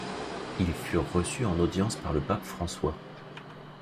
Ils furent reçus en audience par le Pape François.